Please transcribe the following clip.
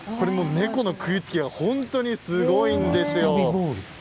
猫の食いつきが本当にすごいんです。